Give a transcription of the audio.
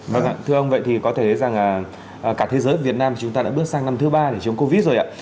vâng ạ thưa ông vậy thì có thể thấy rằng cả thế giới việt nam chúng ta đã bước sang năm thứ ba để chống covid rồi ạ